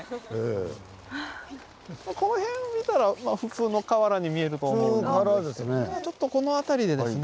この辺を見たら普通の河原に見えると思うんですけどちょっとこの辺りでですね